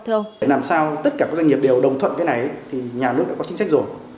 để làm sao tất cả các doanh nghiệp đều đồng thuận cái này thì nhà nước đã có chính sách rồi